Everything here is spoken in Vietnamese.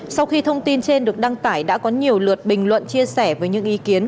sau khi thông tin trên được đăng tải đã có nhiều lượt bình luận chia sẻ